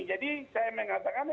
jadi saya mengatakan